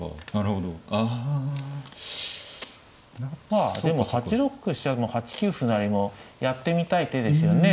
まあでも８六飛車も８九歩成もやってみたい手ですよね。